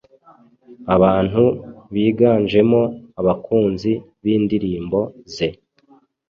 abantu biganjemo abakunzi b’indirimbo ze.